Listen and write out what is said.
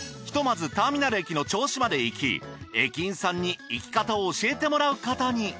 ひとまずターミナル駅の銚子まで行き駅員さんに行き方を教えてもらうことに。